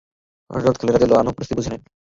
হযরত Khalid রাযিয়াল্লাহু আনহু পরিস্থিতি বুঝে নেন।